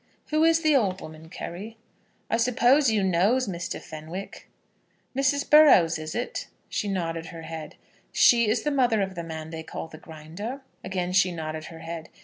"Who is the old woman, Carry?" "I suppose you knows, Mr. Fenwick?" "Mrs. Burrows, is it?" She nodded her head. "She is the mother of the man they call the Grinder?" Again she nodded her head.